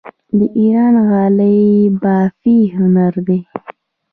د ایران غالۍ بافي هنر دی.